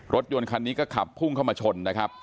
รถยนต์คันนี้ก็ขับพุ่งเข้ามาชนนะครับ